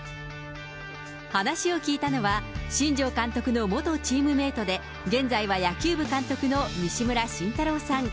話を聞いたのは、新庄監督の元チームメートで、現在は野球部監督の西村慎太郎さん。